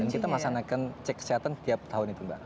dan kita laksanakan cek kesehatan setiap tahun itu mbak